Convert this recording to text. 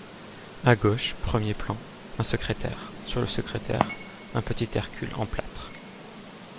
À gauche, premier plan, un secrétaire, sur le secrétaire un petit Hercule en plâtre.